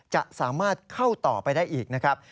จะสามารถเข้าต่อไปได้อีกนะครับ